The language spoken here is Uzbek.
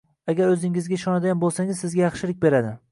Agar o'zingizga ishonadigan bo'lsangiz, sizga yaxshilik beradi